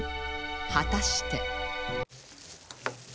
果たして